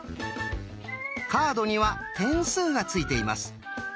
カードには点数がついています。